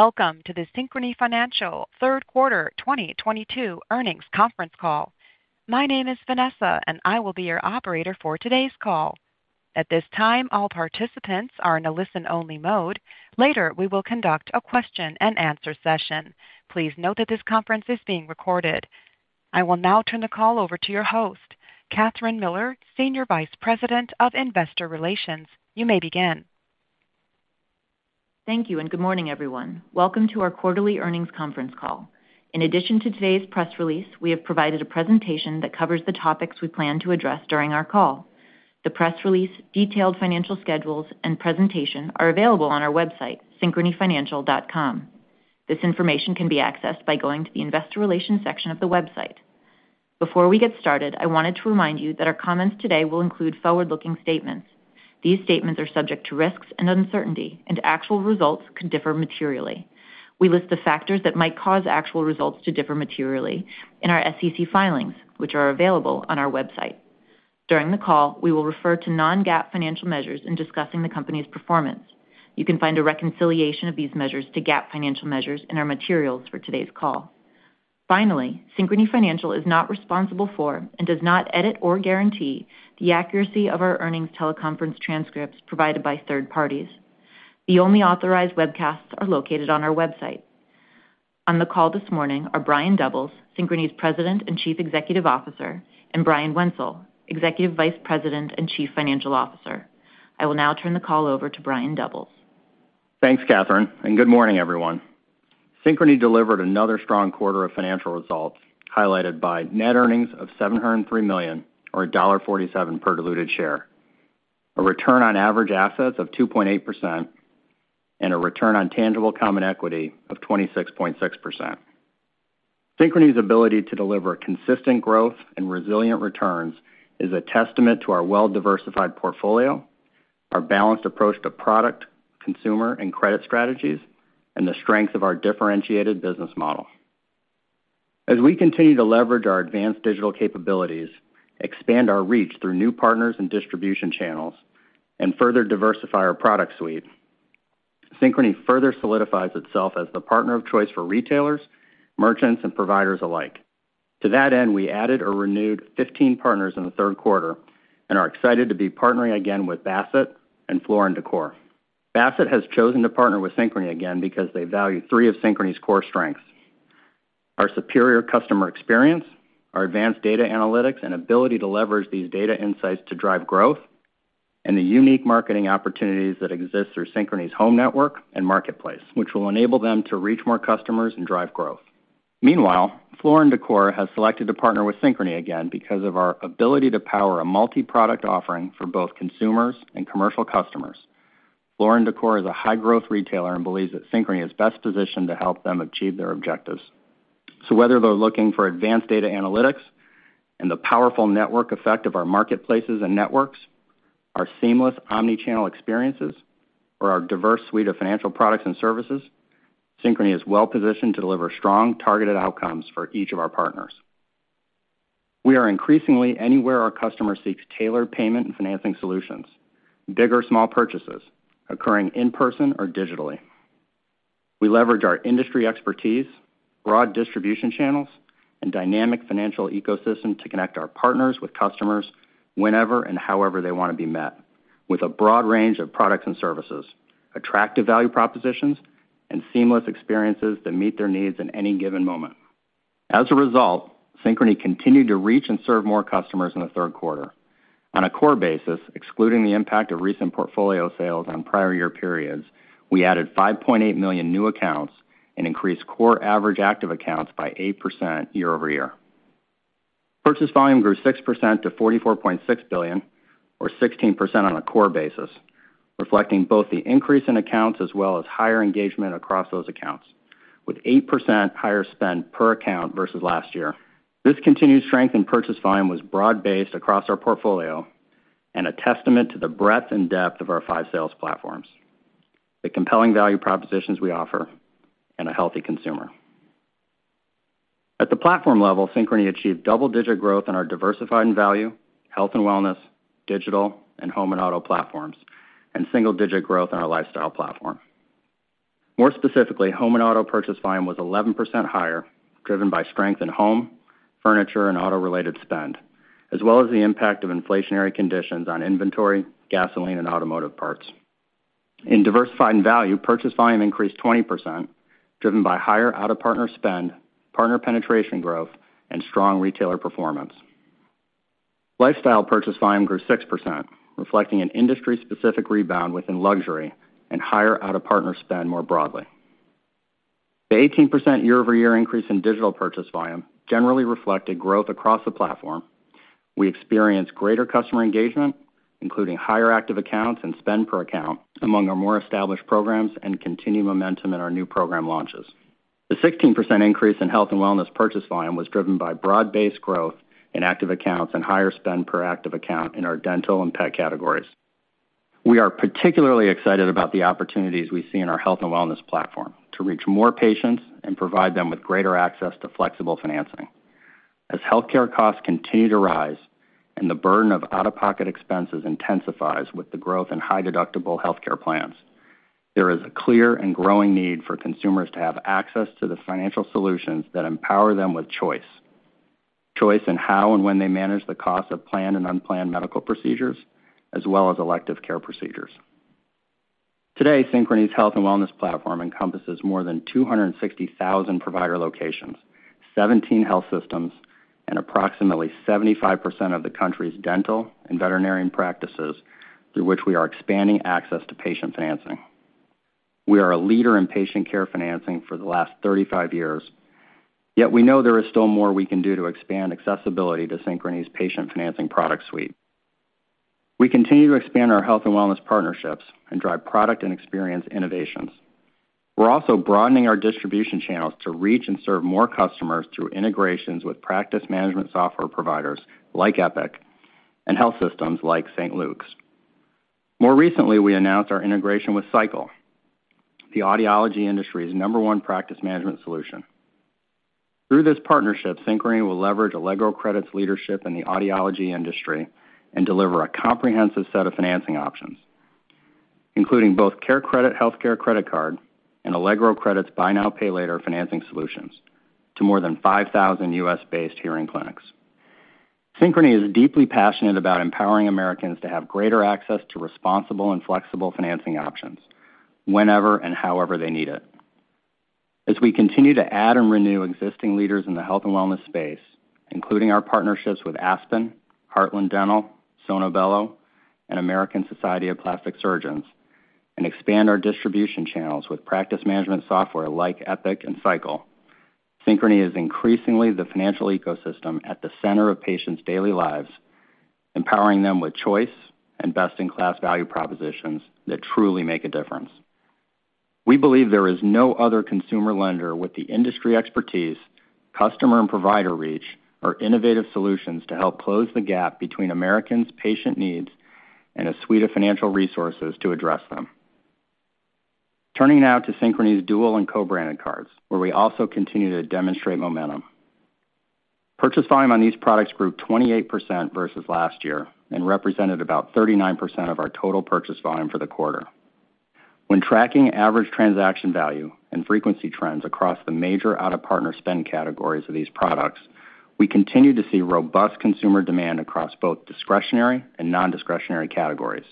Welcome to the Synchrony Financial third quarter 2022 earnings conference call. My name is Vanessa, and I will be your operator for today's call. At this time, all participants are in a listen-only mode. Later, we will conduct a question-and-answer session. Please note that this conference is being recorded. I will now turn the call over to your host, Kathryn Miller, Senior Vice President of Investor Relations. You may begin. Thank you, and good morning, everyone. Welcome to our quarterly earnings conference call. In addition to today's press release, we have provided a presentation that covers the topics we plan to address during our call. The press release, detailed financial schedules, and presentation are available on our website, synchronyfinancial.com. This information can be accessed by going to the Investor Relations section of the website. Before we get started, I wanted to remind you that our comments today will include forward-looking statements. These statements are subject to risks and uncertainty, and actual results could differ materially. We list the factors that might cause actual results to differ materially in our SEC filings, which are available on our website. During the call, we will refer to non-GAAP financial measures in discussing the company's performance. You can find a reconciliation of these measures to GAAP financial measures in our materials for today's call. Finally, Synchrony Financial is not responsible for, and does not edit or guarantee, the accuracy of our earnings teleconference transcripts provided by third parties. The only authorized webcasts are located on our website. On the call this morning are Brian Doubles, Synchrony's President and Chief Executive Officer, and Brian Wenzel, Executive Vice President and Chief Financial Officer. I will now turn the call over to Brian Doubles. Thanks, Kathryn, and good morning, everyone. Synchrony delivered another strong quarter of financial results, highlighted by net earnings of $703 million, or $0.47 per diluted share, a return on average assets of 2.8%, and a return on tangible common equity of 26.6%. Synchrony's ability to deliver consistent growth and resilient returns is a testament to our well-diversified portfolio, our balanced approach to product, consumer, and credit strategies, and the strength of our differentiated business model. As we continue to leverage our advanced digital capabilities, expand our reach through new partners and distribution channels, and further diversify our product suite, Synchrony further solidifies itself as the partner of choice for retailers, merchants, and providers alike. To that end, we added or renewed 15 partners in the third quarter and are excited to be partnering again with Bassett and Floor & Decor. Bassett has chosen to partner with Synchrony again because they value three of Synchrony's core strengths, our superior customer experience, our advanced data analytics and ability to leverage these data insights to drive growth, and the unique marketing opportunities that exist through Synchrony's home network and marketplace, which will enable them to reach more customers and drive growth. Meanwhile, Floor & Decor has selected to partner with Synchrony again because of our ability to power a multi-product offering for both consumers and commercial customers. Floor & Decor is a high-growth retailer and believes that Synchrony is best positioned to help them achieve their objectives. Whether they're looking for advanced data analytics and the powerful network effect of our marketplaces and networks, our seamless omni-channel experiences, or our diverse suite of financial products and services, Synchrony is well-positioned to deliver strong targeted outcomes for each of our partners. We are increasingly anywhere our customer seeks tailored payment and financing solutions, big or small purchases, occurring in person or digitally. We leverage our industry expertise, broad distribution channels, and dynamic financial ecosystem to connect our partners with customers whenever and however they want to be met, with a broad range of products and services, attractive value propositions, and seamless experiences that meet their needs in any given moment. As a result, Synchrony continued to reach and serve more customers in the third quarter. On a core basis, excluding the impact of recent portfolio sales on prior year periods, we added 5.8 million new accounts and increased core average active accounts by 8% year-over-year. Purchase volume grew 6% to $44.6 billion or 16% on a core basis, reflecting both the increase in accounts as well as higher engagement across those accounts, with 8% higher spend per account versus last year. This continued strength in purchase volume was broad-based across our portfolio and a testament to the breadth and depth of our five sales platforms, the compelling value propositions we offer, and a healthy consumer. At the platform level, Synchrony achieved double-digit growth in our diversified and value, health and wellness, digital, and home and auto platforms, and single-digit growth in our lifestyle platform. More specifically, home and auto purchase volume was 11% higher, driven by strength in home, furniture, and auto-related spend, as well as the impact of inflationary conditions on inventory, gasoline, and automotive parts. In diversified and value, purchase volume increased 20%, driven by higher out-of-partner spend, partner penetration growth, and strong retailer performance. Lifestyle purchase volume grew 6%, reflecting an industry-specific rebound within luxury and higher out-of-partner spend more broadly. The 18% year-over-year increase in digital purchase volume generally reflected growth across the platform. We experienced greater customer engagement, including higher active accounts and spend per account among our more established programs and continued momentum in our new program launches. The 16% increase in health and wellness purchase volume was driven by broad-based growth in active accounts and higher spend per active account in our dental and pet categories. We are particularly excited about the opportunities we see in our health and wellness platform to reach more patients and provide them with greater access to flexible financing. As healthcare costs continue to rise and the burden of out-of-pocket expenses intensifies with the growth in high-deductible healthcare plans, there is a clear and growing need for consumers to have access to the financial solutions that empower them with choice. Choice in how and when they manage the cost of planned and unplanned medical procedures, as well as elective care procedures. Today, Synchrony's health and wellness platform encompasses more than 260,000 provider locations, 17 health systems, and approximately 75% of the country's dental and veterinary practices through which we are expanding access to patient financing. We are a leader in patient care financing for the last 35 years, yet we know there is still more we can do to expand accessibility to Synchrony's patient financing product suite. We continue to expand our health and wellness partnerships and drive product and experience innovations. We're also broadening our distribution channels to reach and serve more customers through integrations with practice management software providers like Epic and health systems like St. Luke's. More recently, we announced our integration with Sycle, the audiology industry's No. 1 practice management solution. Through this partnership, Synchrony will leverage Allegro Credit's leadership in the audiology industry and deliver a comprehensive set of financing options, including both CareCredit healthcare credit card and Allegro Credit's buy now, pay later financing solutions to more than 5,000 U.S.-based hearing clinics. Synchrony is deeply passionate about empowering Americans to have greater access to responsible and flexible financing options whenever and however they need it. We continue to add and renew existing leaders in the health and wellness space, including our partnerships with Aspen, Heartland Dental, Sono Bello, and American Society of Plastic Surgeons, and expand our distribution channels with practice management software like Epic and Sycle. Synchrony is increasingly the financial ecosystem at the center of patients' daily lives, empowering them with choice and best-in-class value propositions that truly make a difference. We believe there is no other consumer lender with the industry expertise, customer and provider reach or innovative solutions to help close the gap between Americans' patient needs and a suite of financial resources to address them. Turning now to Synchrony's dual and co-branded cards, where we also continue to demonstrate momentum. Purchase volume on these products grew 28% versus last year and represented about 39% of our total purchase volume for the quarter. When tracking average transaction value and frequency trends across the major out-of-partner spend categories of these products, we continue to see robust consumer demand across both discretionary and non-discretionary categories.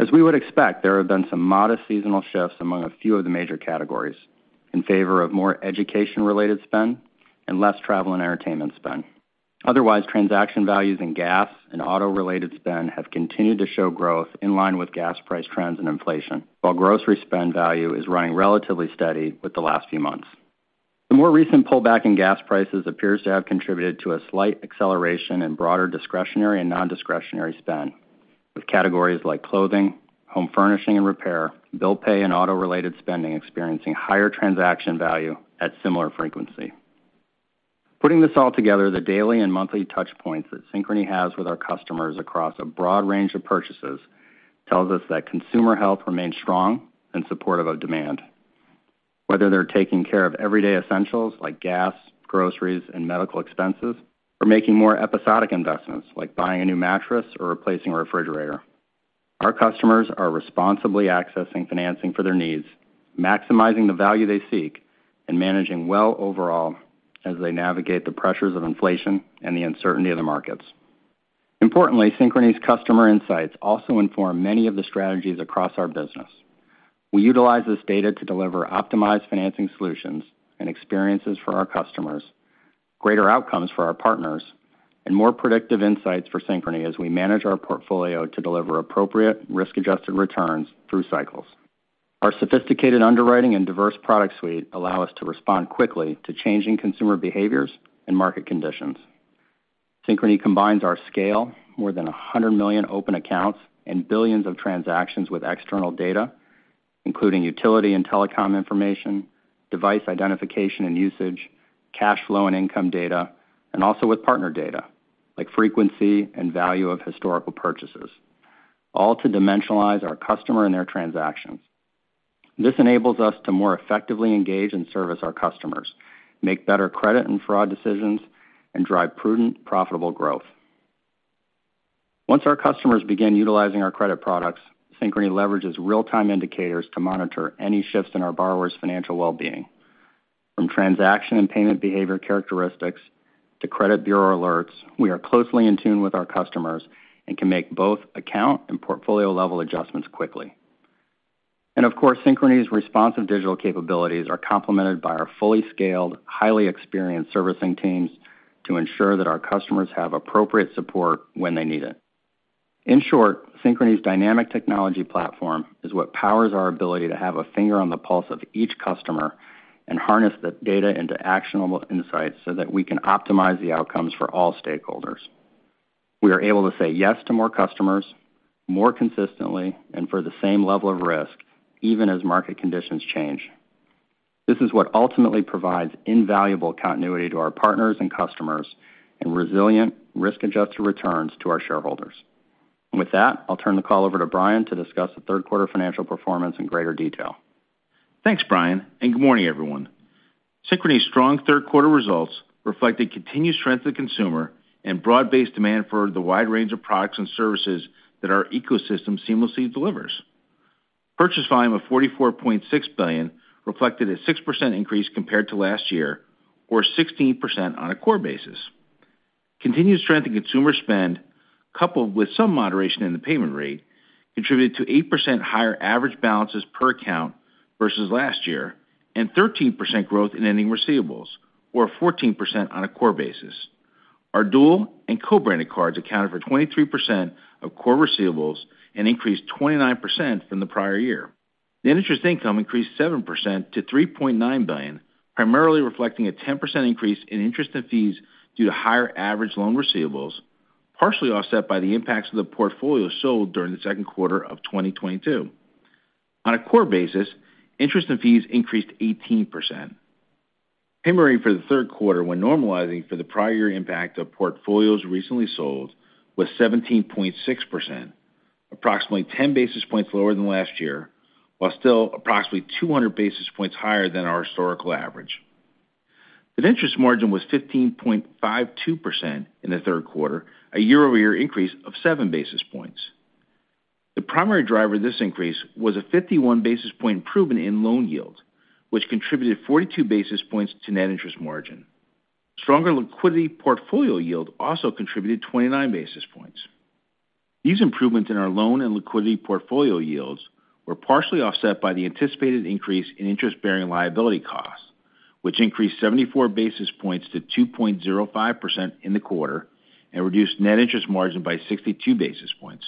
As we would expect, there have been some modest seasonal shifts among a few of the major categories in favor of more education-related spend and less travel and entertainment spend. Otherwise, transaction values in gas and auto-related spend have continued to show growth in line with gas price trends and inflation, while grocery spend value is running relatively steady with the last few months. The more recent pullback in gas prices appears to have contributed to a slight acceleration in broader discretionary and non-discretionary spend, with categories like clothing, home furnishing and repair, bill pay, and auto-related spending experiencing higher transaction value at similar frequency. Putting this all together, the daily and monthly touch points that Synchrony has with our customers across a broad range of purchases tells us that consumer health remains strong in support of a demand. Whether they're taking care of everyday essentials like gas, groceries, and medical expenses, or making more episodic investments like buying a new mattress or replacing a refrigerator, our customers are responsibly accessing financing for their needs, maximizing the value they seek, and managing well overall as they navigate the pressures of inflation and the uncertainty of the markets. Importantly, Synchrony's customer insights also inform many of the strategies across our business. We utilize this data to deliver optimized financing solutions and experiences for our customers, greater outcomes for our partners, and more predictive insights for Synchrony as we manage our portfolio to deliver appropriate risk-adjusted returns through cycles. Our sophisticated underwriting and diverse product suite allow us to respond quickly to changing consumer behaviors and market conditions. Synchrony combines our scale, more than 100 million open accounts, and billions of transactions with external data, including utility and telecom information, device identification and usage, cash flow and income data, and also with partner data like frequency and value of historical purchases, all to dimensionalize our customer and their transactions. This enables us to more effectively engage and service our customers, make better credit and fraud decisions, and drive prudent, profitable growth. Once our customers begin utilizing our credit products, Synchrony leverages real-time indicators to monitor any shifts in our borrowers' financial well-being. From transaction and payment behavior characteristics to credit bureau alerts, we are closely in tune with our customers and can make both account and portfolio-level adjustments quickly. Of course, Synchrony's responsive digital capabilities are complemented by our fully scaled, highly experienced servicing teams to ensure that our customers have appropriate support when they need it. In short, Synchrony's dynamic technology platform is what powers our ability to have a finger on the pulse of each customer and harness the data into actionable insights so that we can optimize the outcomes for all stakeholders. We are able to say yes to more customers more consistently and for the same level of risk, even as market conditions change. This is what ultimately provides invaluable continuity to our partners and customers and resilient risk-adjusted returns to our shareholders. With that, I'll turn the call over to Brian to discuss the third quarter financial performance in greater detail. Thanks, Brian, and good morning, everyone. Synchrony's strong third quarter results reflect the continued strength of the consumer and broad-based demand for the wide range of products and services that our ecosystem seamlessly delivers. Purchase volume of $44.6 billion reflected a 6% increase compared to last year or 16% on a core basis. Continued strength in consumer spend, coupled with some moderation in the payment rate, contributed to 8% higher average balances per account versus last year and 13% growth in ending receivables or 14% on a core basis. Our dual and co-branded cards accounted for 23% of core receivables and increased 29% from the prior year. The interest income increased 7% to $3.9 billion, primarily reflecting a 10% increase in interest and fees due to higher average loan receivables, partially offset by the impacts of the portfolio sold during the second quarter of 2022. On a core basis, interest and fees increased 18%. Payment rate for the third quarter when normalizing for the prior year impact of portfolios recently sold was 17.6%, approximately 10 basis points lower than last year, while still approximately 200 basis points higher than our historical average. The interest margin was 15.52% in the third quarter, a year-over-year increase of 7 basis points. The primary driver of this increase was a 51 basis point improvement in loan yield, which contributed 42 basis points to net interest margin. Stronger liquidity portfolio yield also contributed 29 basis points. These improvements in our loan and liquidity portfolio yields were partially offset by the anticipated increase in interest-bearing liability costs, which increased 74 basis points to 2.05% in the quarter and reduced net interest margin by 62 basis points.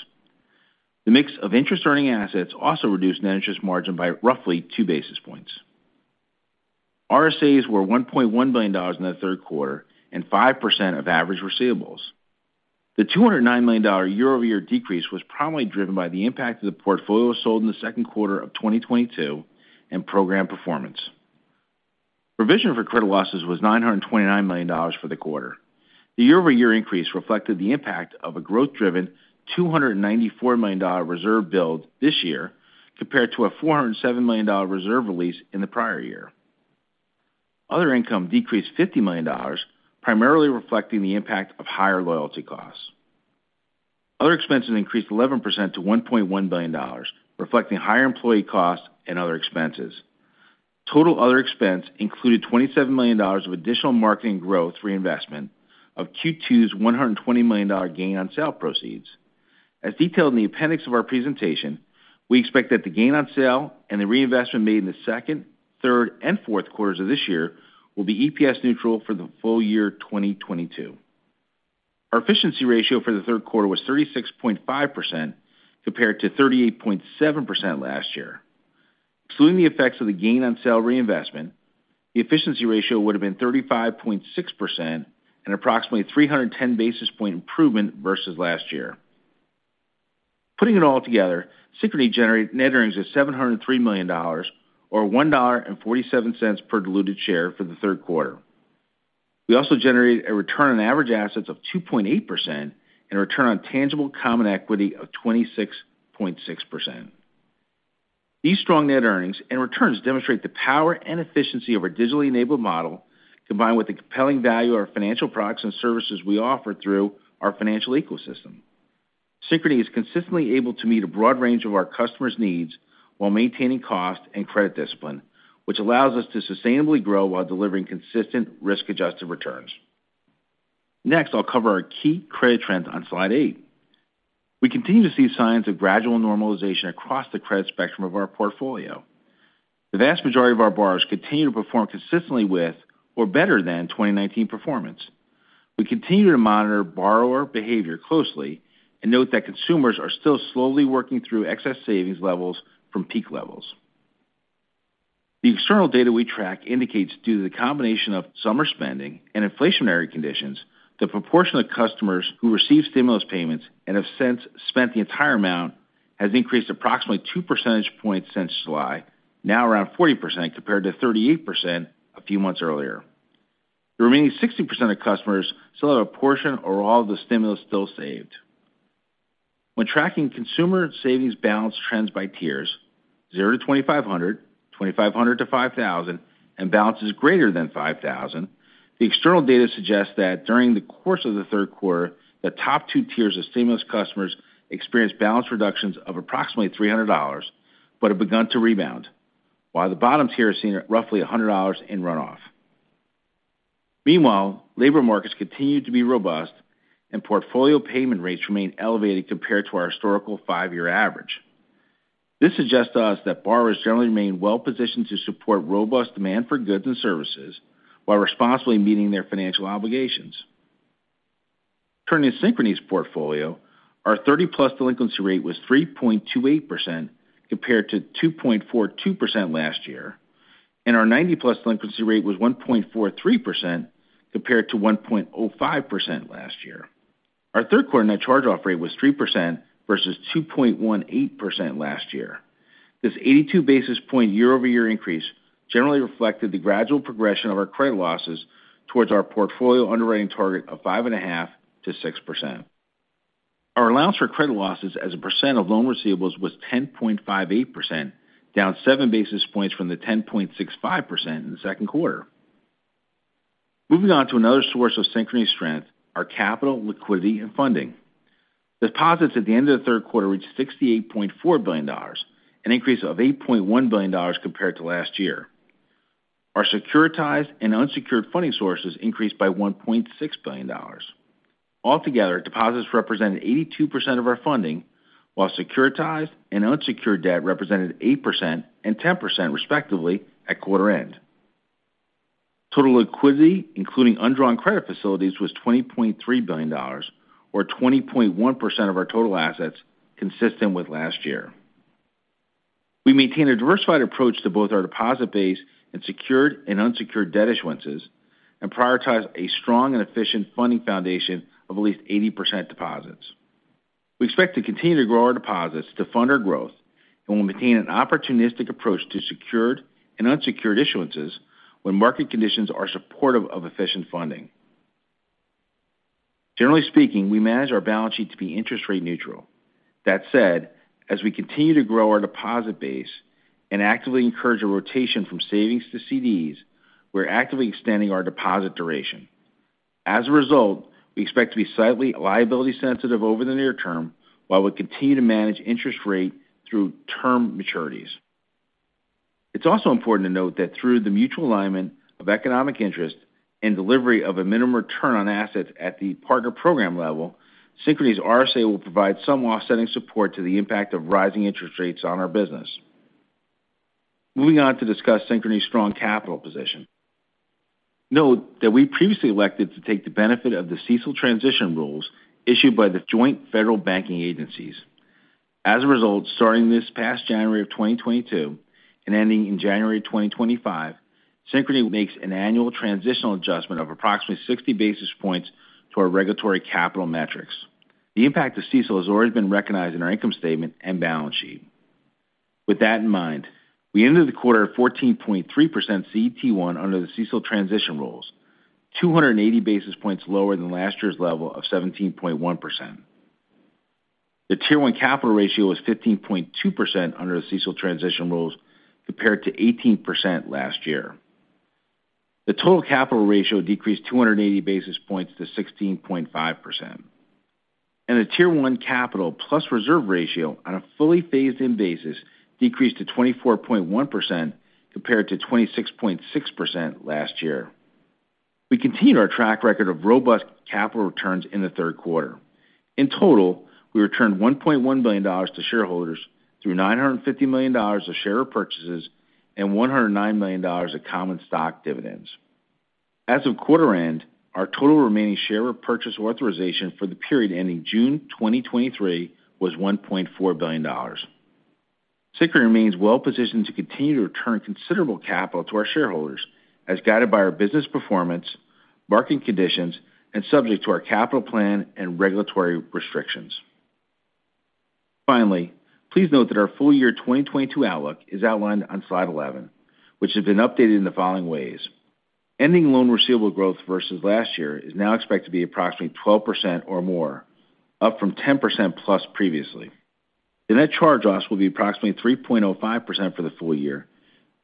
The mix of interest-earning assets also reduced net interest margin by roughly 2 basis points. RSAs were $1.1 billion in the third quarter and 5% of average receivables. The $209 million year-over-year decrease was primarily driven by the impact of the portfolio sold in the second quarter of 2022 and program performance. Provision for credit losses was $929 million for the quarter. The year-over-year increase reflected the impact of a growth-driven $294 million reserve build this year compared to a $407 million reserve release in the prior year. Other income decreased $50 million, primarily reflecting the impact of higher loyalty costs. Other expenses increased 11% to $1.1 billion, reflecting higher employee costs and other expenses. Total other expense included $27 million of additional marketing growth reinvestment of Q2's $120 million gain on sale proceeds. As detailed in the appendix of our presentation, we expect that the gain on sale and the reinvestment made in the second, third, and fourth quarters of this year will be EPS neutral for the full year 2022. Our efficiency ratio for the third quarter was 36.5% compared to 38.7% last year. Excluding the effects of the gain on sale reinvestment, the efficiency ratio would have been 35.6% and approximately 310 basis point improvement versus last year. Putting it all together, Synchrony generated net earnings of $703 million or $1.47 per diluted share for the third quarter. We also generated a return on average assets of 2.8% and a return on tangible common equity of 26.6%. These strong net earnings and returns demonstrate the power and efficiency of our digitally enabled model, combined with the compelling value of our financial products and services we offer through our financial ecosystem. Synchrony is consistently able to meet a broad range of our customers' needs while maintaining cost and credit discipline, which allows us to sustainably grow while delivering consistent risk-adjusted returns. Next, I'll cover our key credit trends on slide eight. We continue to see signs of gradual normalization across the credit spectrum of our portfolio. The vast majority of our borrowers continue to perform consistently with or better than 2019 performance. We continue to monitor borrower behavior closely and note that consumers are still slowly working through excess savings levels from peak levels. The external data we track indicates due to the combination of summer spending and inflationary conditions, the proportion of customers who receive stimulus payments and have since spent the entire amount has increased approximately 2 percentage points since July, now around 40% compared to 38% a few months earlier. The remaining 60% of customers still have a portion or all of the stimulus still saved. When tracking consumer savings balance trends by tiers, 0-2,500, 2,500-5,000, and balances greater than 5,000, the external data suggests that during the course of the third quarter, the top two tiers of stimulus customers experienced balance reductions of approximately $300 but have begun to rebound, while the bottom tier has seen roughly $100 in runoff. Meanwhile, labor markets continue to be robust and portfolio payment rates remain elevated compared to our historical five-year average. This suggests to us that borrowers generally remain well-positioned to support robust demand for goods and services while responsibly meeting their financial obligations. Turning to Synchrony's portfolio, our 30+ delinquency rate was 3.28% compared to 2.42% last year, and our 90+ delinquency rate was 1.43% compared to 1.05% last year. Our third-quarter net charge-off rate was 3% versus 2.18% last year. This 82 basis point year-over-year increase generally reflected the gradual progression of our credit losses towards our portfolio underwriting target of 5.5%-6%. Our allowance for credit losses as a percent of loan receivables was 10.58%, down 7 basis points from the 10.65% in the second quarter. Moving on to another source of Synchrony's strength, our capital, liquidity and funding. Deposits at the end of the third quarter reached $68.4 billion, an increase of $8.1 billion compared to last year. Our securitized and unsecured funding sources increased by $1.6 billion. Altogether, deposits represented 82% of our funding, while securitized and unsecured debt represented 8% and 10% respectively at quarter end. Total liquidity, including undrawn credit facilities, was $20.3 billion or 20.1% of our total assets, consistent with last year. We maintain a diversified approach to both our deposit base and secured and unsecured debt issuances and prioritize a strong and efficient funding foundation of at least 80% deposits. We expect to continue to grow our deposits to fund our growth, and we'll maintain an opportunistic approach to secured and unsecured issuances when market conditions are supportive of efficient funding. Generally speaking, we manage our balance sheet to be interest rate neutral. That said, as we continue to grow our deposit base and actively encourage a rotation from savings to CDs, we're actively extending our deposit duration. As a result, we expect to be slightly liability sensitive over the near term, while we continue to manage interest rate through term maturities. It's also important to note that through the mutual alignment of economic interest and delivery of a minimum return on assets at the partner program level, Synchrony's RSA will provide some offsetting support to the impact of rising interest rates on our business. Moving on to discuss Synchrony's strong capital position. Note that we previously elected to take the benefit of the CECL transition rules issued by the joint federal banking agencies. As a result, starting this past January 2022 and ending in January 2025, Synchrony makes an annual transitional adjustment of approximately 60 basis points to our regulatory capital metrics. The impact of CECL has always been recognized in our income statement and balance sheet. With that in mind, we ended the quarter at 14.3% CET1 under the CECL transition rules, 280 basis points lower than last year's level of 17.1%. The Tier 1 capital ratio is 15.2% under the CECL transition rules, compared to 18% last year. The total capital ratio decreased 280 basis points to 16.5%. The Tier 1 capital plus reserve ratio on a fully phased in basis decreased to 24.1%, compared to 26.6% last year. We continued our track record of robust capital returns in the third quarter. In total, we returned $1.1 billion to shareholders through $950 million of share purchases and $109 million of common stock dividends. As of quarter end, our total remaining share repurchase authorization for the period ending June 2023 was $1.4 billion. Synchrony remains well positioned to continue to return considerable capital to our shareholders as guided by our business performance, market conditions, and subject to our capital plan and regulatory restrictions. Finally, please note that our full year 2022 outlook is outlined on slide 11, which has been updated in the following ways. Ending loan receivable growth versus last year is now expected to be approximately 12% or more, up from 10%+ previously. The net charge loss will be approximately 3.05% for the full year,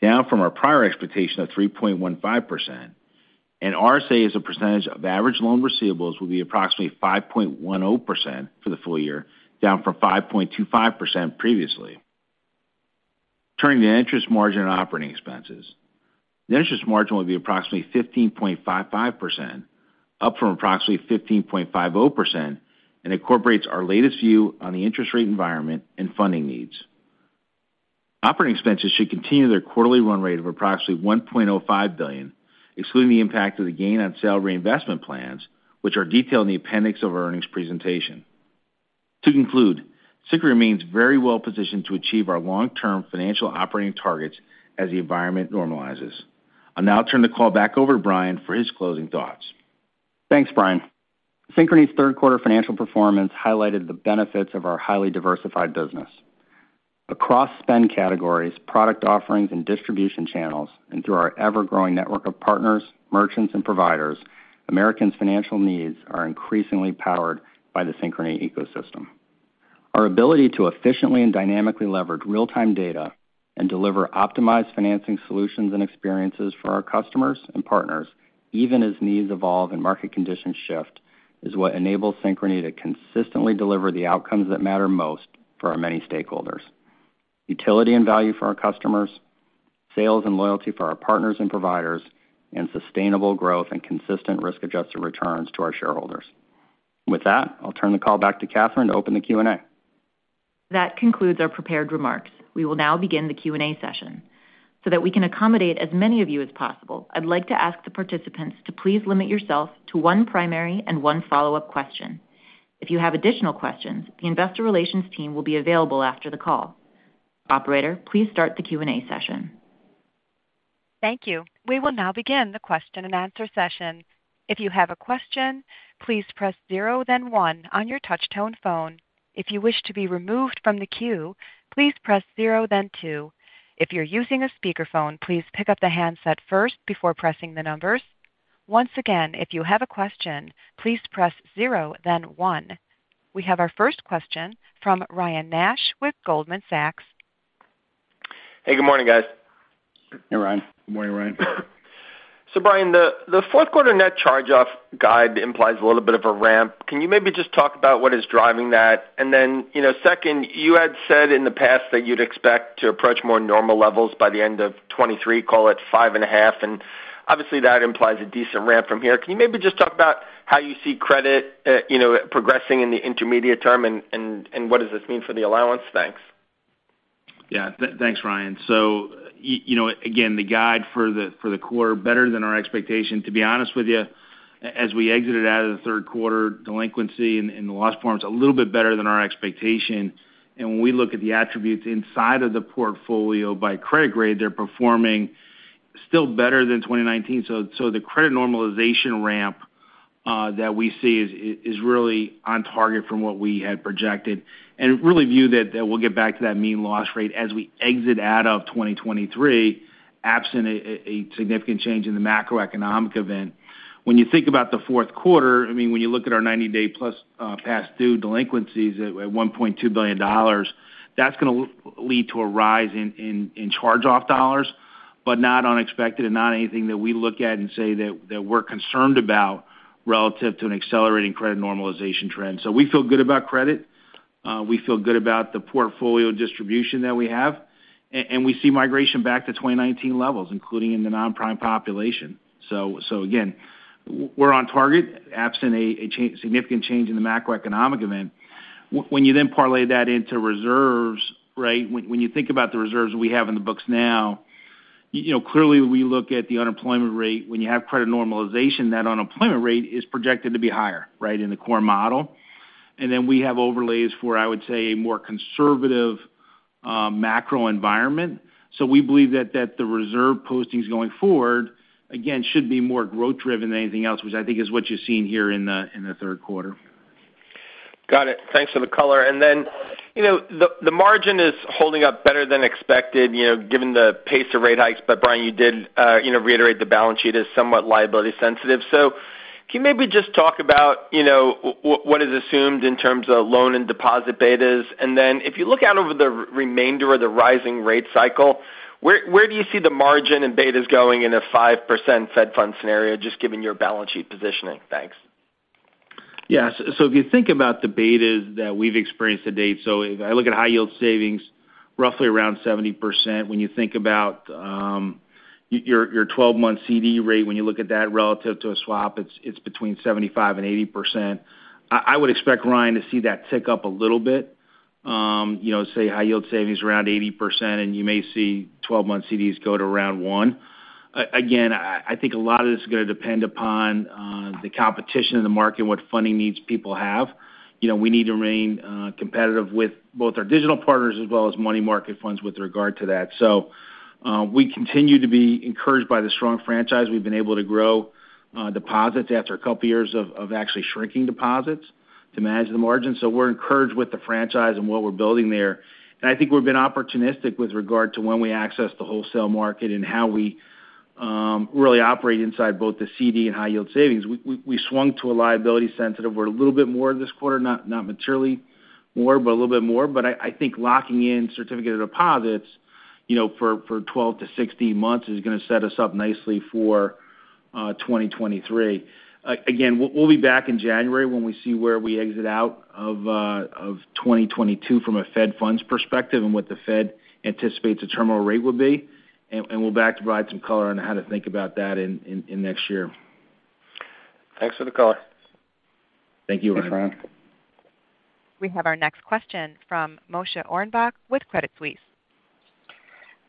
down from our prior expectation of 3.15%. RSA as a percentage of average loan receivables will be approximately 5.10% for the full year, down from 5.25% previously. Turning to interest margin and operating expenses. The interest margin will be approximately 15.55%, up from approximately 15.50%, and incorporates our latest view on the interest rate environment and funding needs. Operating expenses should continue their quarterly run rate of approximately $1.05 billion, excluding the impact of the gain on sale reinvestment plans, which are detailed in the appendix of our earnings presentation. To conclude, Synchrony remains very well positioned to achieve our long-term financial operating targets as the environment normalizes. I'll now turn the call back over to Brian for his closing thoughts. Thanks, Brian. Synchrony's third quarter financial performance highlighted the benefits of our highly diversified business. Across spend categories, product offerings and distribution channels, and through our ever-growing network of partners, merchants and providers, Americans' financial needs are increasingly powered by the Synchrony ecosystem. Our ability to efficiently and dynamically leverage real-time data and deliver optimized financing solutions and experiences for our customers and partners, even as needs evolve and market conditions shift, is what enables Synchrony to consistently deliver the outcomes that matter most for our many stakeholders. Utility and value for our customers, sales and loyalty for our partners and providers, and sustainable growth and consistent risk-adjusted returns to our shareholders. With that, I'll turn the call back to Kathryn to open the Q&A. That concludes our prepared remarks. We will now begin the Q&A session. That we can accommodate as many of you as possible, I'd like to ask the participants to please limit yourself to one primary and one follow-up question. If you have additional questions, the investor relations team will be available after the call. Operator, please start the Q&A session. Thank you. We will now begin the question and answer session. If you have a question, please press zero then one on your touch tone phone. If you wish to be removed from the queue, please press zero then two. If you're using a speakerphone, please pick up the handset first before pressing the numbers. Once again, if you have a question, please press zero, then one. We have our first question from Ryan Nash with Goldman Sachs. Hey, good morning, guys. Hey, Ryan. Good morning, Ryan. Brian, the fourth quarter net charge off guide implies a little bit of a ramp. Can you maybe just talk about what is driving that? You know, second, you had said in the past that you'd expect to approach more normal levels by the end of 2023, call it 5.5%, and obviously that implies a decent ramp from here. Can you maybe just talk about how you see credit, you know, progressing in the intermediate term, and what does this mean for the allowance? Thanks. Yeah. Thanks, Ryan. You know, again, the guide for the quarter better than our expectation. To be honest with you, as we exited out of the third quarter, delinquency in the loss performance a little bit better than our expectation. When we look at the attributes inside of the portfolio by credit grade, they're performing still better than 2019. The credit normalization ramp that we see is really on target from what we had projected. Really view that we'll get back to that mean loss rate as we exit out of 2023, absent a significant change in the macroeconomic event. When you think about the fourth quarter, I mean, when you look at our 90-day plus past due delinquencies at $1.2 billion, that's gonna lead to a rise in charge-off dollars, but not unexpected and not anything that we look at and say that we're concerned about relative to an accelerating credit normalization trend. We feel good about credit, we feel good about the portfolio distribution that we have, and we see migration back to 2019 levels, including in the non-prime population. Again, we're on target, absent a significant change in the macroeconomic event. When you then parlay that into reserves, right? When you think about the reserves we have in the books now, you know, clearly we look at the unemployment rate. When you have credit normalization, that unemployment rate is projected to be higher, right, in the core model. We have overlays for, I would say, a more conservative macro environment. We believe that the reserve postings going forward, again, should be more growth driven than anything else, which I think is what you're seeing here in the third quarter. Got it. Thanks for the color. Then, you know, the margin is holding up better than expected, you know, given the pace of rate hikes. Brian, you did, you know, reiterate the balance sheet as somewhat liability sensitive. Can you maybe just talk about, you know, what is assumed in terms of loan and deposit betas? Then if you look out over the remainder of the rising rate cycle, where do you see the margin and betas going in a 5% Fed fund scenario, just given your balance sheet positioning? Thanks. Yes. If you think about the betas that we've experienced to date, if I look at high yield savings, roughly around 70%. When you think about your 12-month CD rate, when you look at that relative to a swap, it's between 75% and 80%. I would expect, Ryan, to see that tick up a little bit, you know, say high yield savings around 80%, and you may see 12-month CDs go to around one. Again, I think a lot of this is gonna depend upon the competition in the market and what funding needs people have. You know, we need to remain competitive with both our digital partners as well as money market funds with regard to that. We continue to be encouraged by the strong franchise. We've been able to grow deposits after a couple of years of actually shrinking deposits to manage the margin. We're encouraged with the franchise and what we're building there. I think we've been opportunistic with regard to when we access the wholesale market and how we really operate inside both the CD and high yield savings. We swung to a liability sensitive. We're a little bit more this quarter, not materially more, but a little bit more. I think locking in certificate of deposits, you know, for 12-16 months is gonna set us up nicely for 2023. Again, we'll be back in January when we see where we exit out of 2022 from a Fed funds perspective and what the Fed anticipates the terminal rate will be, and we'll be back to provide some color on how to think about that in next year. Thanks for the color. Thank you, Ryan. Thanks, Ryan. We have our next question from Moshe Orenbuch with Credit Suisse.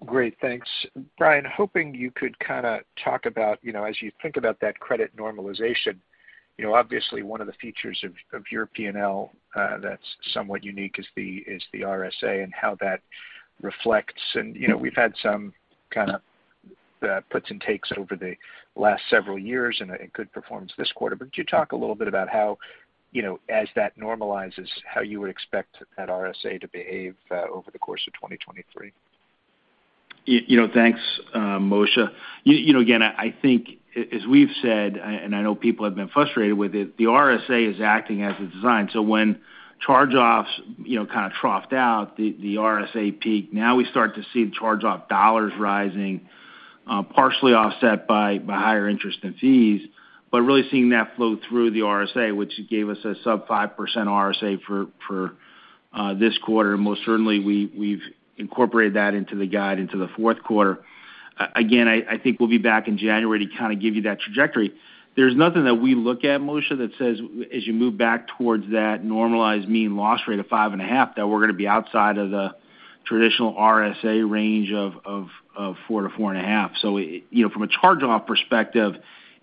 Great. Thanks. Brian, hoping you could kinda talk about, you know, as you think about that credit normalization, you know, obviously one of the features of your P&L that's somewhat unique is the RSA and how that reflects. You know, we've had some kind of puts and takes over the last several years and a good performance this quarter. Could you talk a little bit about how, you know, as that normalizes, how you would expect that RSA to behave over the course of 2023? You know, thanks, Moshe. You know, again, I think as we've said, and I know people have been frustrated with it, the RSA is acting as it's designed. When charge-offs, you know, kind of troughed out the RSA peak. Now we start to see the charge-off dollars rising, partially offset by higher interest and fees, but really seeing that flow through the RSA, which gave us a sub 5% RSA for this quarter. Most certainly, we've incorporated that into the guide into the fourth quarter. Again, I think we'll be back in January to kind of give you that trajectory. There's nothing that we look at, Moshe, that says as you move back towards that normalized mean loss rate of 5.5%, that we're gonna be outside of the traditional RSA range of 4%-4.5%. You know, from a charge-off perspective,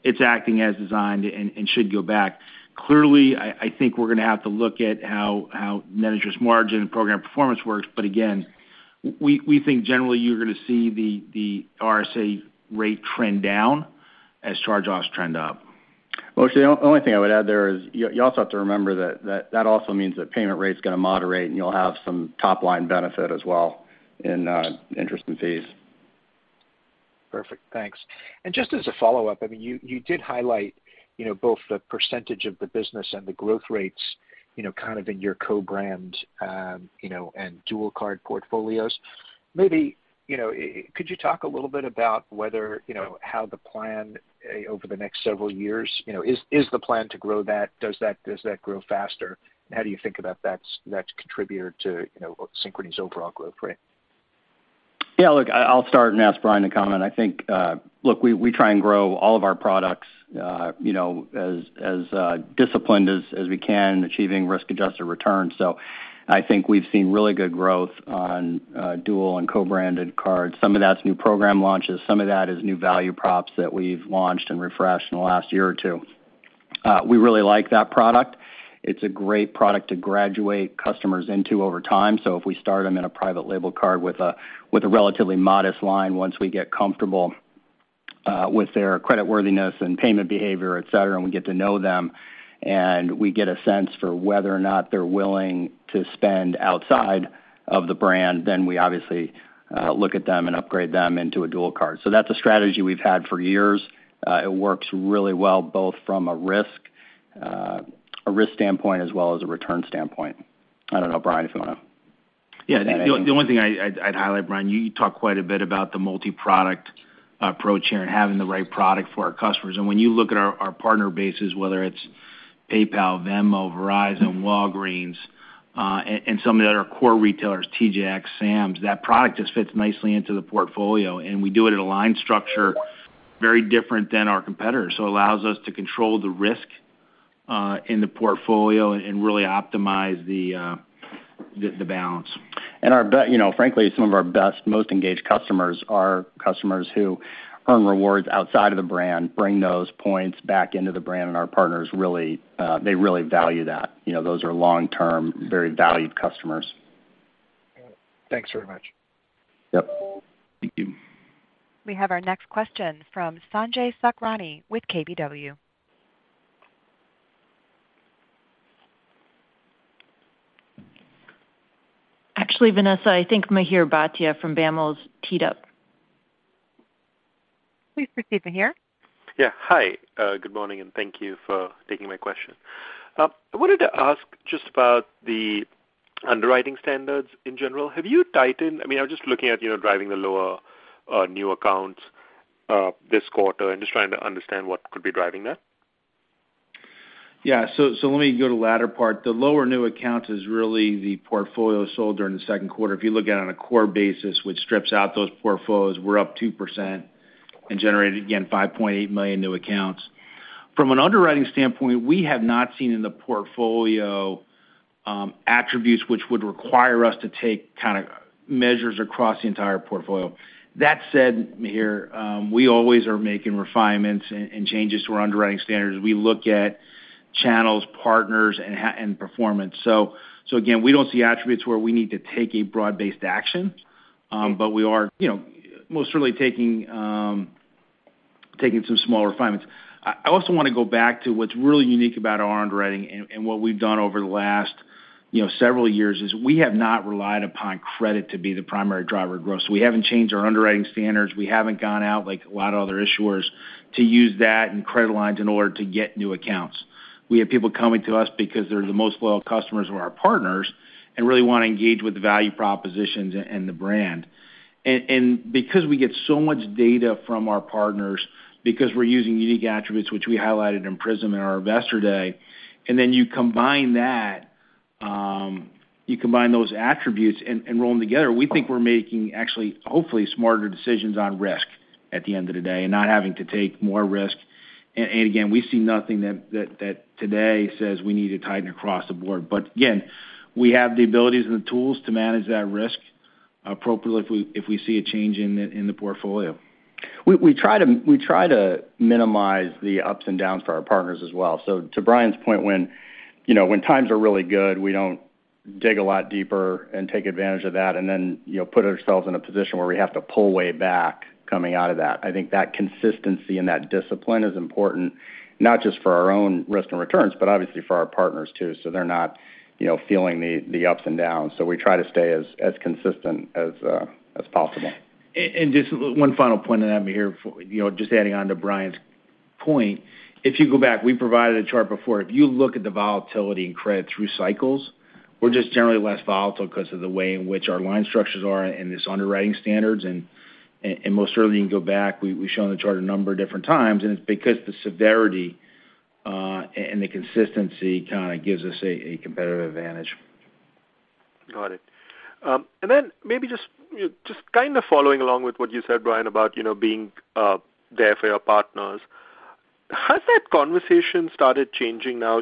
it's acting as designed and should go back. Clearly, I think we're gonna have to look at how net interest margin and program performance works. Again, we think generally you're gonna see the RSA rate trend down as charge-offs trend up. Well, the only thing I would add there is you also have to remember that that also means that payment rate is going to moderate, and you'll have some top-line benefit as well in interest and fees. Perfect. Thanks. Just as a follow-up, I mean, you did highlight, you know, both the percentage of the business and the growth rates, you know, kind of in your co-branded and dual card portfolios. Maybe, you know, could you talk a little bit about whether, you know, how the plan over the next several years, you know, is the plan to grow that? Does that grow faster? How do you think about that as contributor to, you know, Synchrony's overall growth rate? I'll start and ask Brian to comment. I think, look, we try and grow all of our products, you know, as disciplined as we can, achieving risk-adjusted returns. I think we've seen really good growth on dual and co-branded cards. Some of that's new program launches. Some of that is new value props that we've launched and refreshed in the last year or two. We really like that product. It's a great product to graduate customers into over time. If we start them in a private label card with a relatively modest line, once we get comfortable with their creditworthiness and payment behavior, et cetera, and we get to know them, and we get a sense for whether or not they're willing to spend outside of the brand, then we obviously look at them and upgrade them into a dual card. That's a strategy we've had for years. It works really well, both from a risk standpoint as well as a return standpoint. I don't know, Brian, if you want to. Yeah. The only thing I'd highlight, Brian, you talk quite a bit about the multiproduct approach here and having the right product for our customers. When you look at our partner bases, whether it's PayPal, Venmo, Verizon, Walgreens, and some of the other core retailers, TJX, Sam's, that product just fits nicely into the portfolio. We do it in a line structure very different than our competitors. It allows us to control the risk in the portfolio and really optimize the balance. You know, frankly, some of our best, most engaged customers are customers who earn rewards outside of the brand, bring those points back into the brand, and our partners really, they really value that. You know, those are long-term, very valued customers. Thanks very much. Yep. Thank you. We have our next question from Sanjay Sakhrani with KBW. Actually, Vanessa, I think Mihir Bhatia from BAML's teed up. Please proceed, Mihir. Yeah. Hi, good morning, and thank you for taking my question. I wanted to ask just about the underwriting standards in general. Have you tightened? I mean, I was just looking at, you know, driving the lower new accounts this quarter and just trying to understand what could be driving that. Yeah. Let me go to the latter part. The lower new accounts is really the portfolio sold during the second quarter. If you look at it on a core basis, which strips out those portfolios, we're up 2% and generated, again, 5.8 million new accounts. From an underwriting standpoint, we have not seen in the portfolio attributes which would require us to take kind of measures across the entire portfolio. That said, Mihir, we always are making refinements and changes to our underwriting standards. We look at channels, partners, and performance. Again, we don't see attributes where we need to take a broad-based action, but we are, you know, most certainly taking some small refinements. I also want to go back to what's really unique about our underwriting and what we've done over the last, you know, several years, is we have not relied upon credit to be the primary driver of growth. We haven't changed our underwriting standards. We haven't gone out like a lot of other issuers to use that and credit lines in order to get new accounts. We have people coming to us because they're the most loyal customers of our partners and really want to engage with the value propositions and the brand. Because we get so much data from our partners because we're using unique attributes, which we highlighted in PRISM in our Investor Day, and then you combine that, you combine those attributes and roll them together, we think we're making actually, hopefully, smarter decisions on risk at the end of the day and not having to take more risk. Again, we see nothing that today says we need to tighten across the board. Again, we have the abilities and the tools to manage that risk appropriately if we see a change in the portfolio. We try to minimize the ups and downs for our partners as well. To Brian's point, when you know when times are really good, we don't dig a lot deeper and take advantage of that and then, you know, put ourselves in a position where we have to pull way back coming out of that. I think that consistency and that discipline is important, not just for our own risk and returns, but obviously for our partners, too, so they're not, you know, feeling the ups and downs. We try to stay as consistent as possible. Just one final point, and then I'm here for, you know, just adding on to Brian's point. If you go back, we provided a chart before. If you look at the volatility in credit through cycles, we're just generally less volatile because of the way in which our line structures are and this underwriting standards. Most certainly, you can go back, we've shown the chart a number of different times, and it's because the severity and the consistency kind of gives us a competitive advantage. Got it. Maybe just kind of following along with what you said, Brian, about you know being there for your partners. Has that conversation started changing now?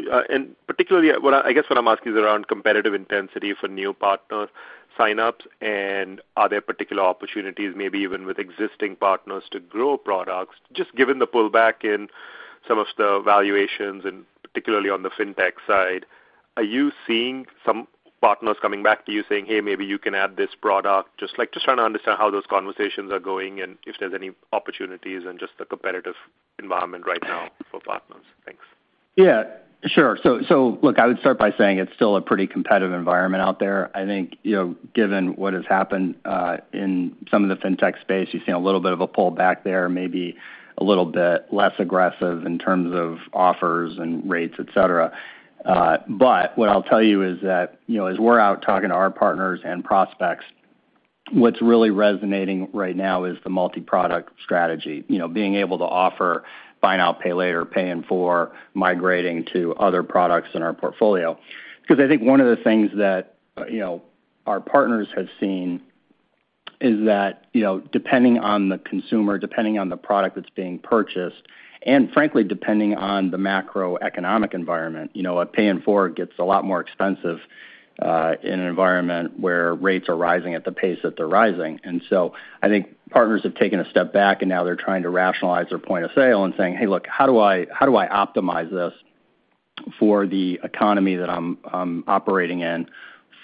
Particularly, what I guess what I'm asking is around competitive intensity for new partners sign-ups, and are there particular opportunities maybe even with existing partners to grow products, just given the pullback in some of the valuations and particularly on the fintech side? Are you seeing some partners coming back to you saying, "Hey, maybe you can add this product"? Just trying to understand how those conversations are going and if there's any opportunities and just the competitive environment right now for partners. Thanks. Yeah, sure. Look, I would start by saying it's still a pretty competitive environment out there. I think, you know, given what has happened in some of the fintech space, you've seen a little bit of a pull back there, maybe a little bit less aggressive in terms of offers and rates, et cetera. What I'll tell you is that, you know, as we're out talking to our partners and prospects, what's really resonating right now is the multi-product strategy. You know, being able to offer buy now, pay later, pay in full, migrating to other products in our portfolio. 'Cause I think one of the things that, you know, our partners have seen is that, you know, depending on the consumer, depending on the product that's being purchased, and frankly, depending on the macroeconomic environment, you know, a pay in full gets a lot more expensive in an environment where rates are rising at the pace that they're rising. I think partners have taken a step back, and now they're trying to rationalize their point of sale and saying, "Hey, look, how do I optimize this for the economy that I'm operating in